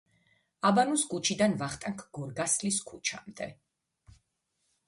აბანოს ქუჩიდან ვახტანგ გორგასლის ქუჩამდე.